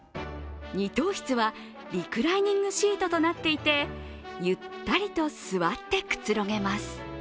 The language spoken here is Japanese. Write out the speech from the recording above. ２等室はリクライニングシートとなっていてゆったりと座ってくつろげます。